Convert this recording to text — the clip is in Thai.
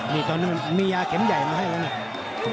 นี่ตอนนั้นมียาเข็มใหญ่มาให้แล้วเนี่ย